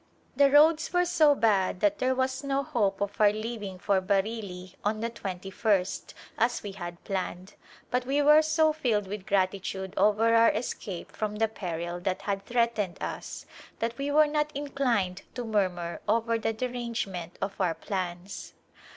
The roads were so bad that there was no hope of our leaving for Bareilly on the twenty first as we had planned but we were so filled with gratitude over our escape from the peril that had threatened us, that we were not inclined to murmur over the derangement of our plans.